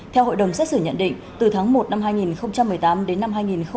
theo hội đồng xét xử nhận định từ tháng một năm hai nghìn một mươi tám đến năm hai nghìn một mươi chín